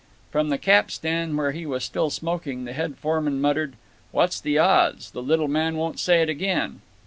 From the capstan, where he was still smoking, the head foreman muttered: "What's the odds? The little man won't say it again."